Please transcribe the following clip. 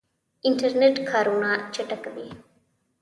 انټرنیټ کارونه چټکوي